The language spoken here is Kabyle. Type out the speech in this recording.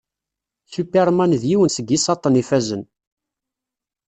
Superman d yiwen seg isaṭṭen ifazen.